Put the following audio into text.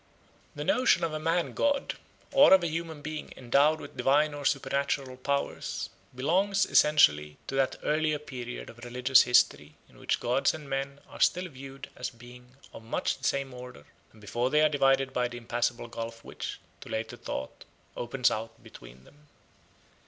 The notion of a man god, or of a human being endowed with divine or supernatural powers, belongs essentially to that earlier period of religious history in which gods and men are still viewed as beings of much the same order, and before they are divided by the impassable gulf which, to later thought, opens out between them.